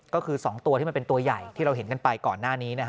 ก็คือ๒ตัวที่มันเป็นตัวใหญ่ที่เราเห็นกันไปก่อนหน้านี้นะฮะ